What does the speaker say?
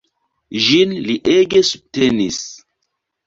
Ĝin li ege subtenis.